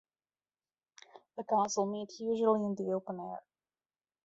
The Council met usually in the open air.